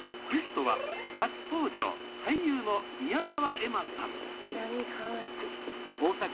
ゲストは初登場俳優の宮澤エマさん南河内。